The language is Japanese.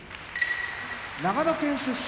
長野県出身